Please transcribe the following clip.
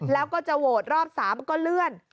แล้วก็จะโหวตรอบ๓ก็เลื่อน